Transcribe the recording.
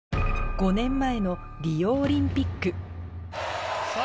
５年前のリオオリンピックさぁ